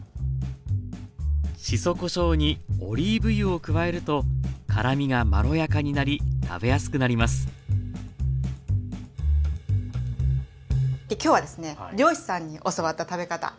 しそこしょうにオリーブ油を加えると辛みがまろやかになり食べやすくなりますで今日はですね漁師さんに教わった食べ方。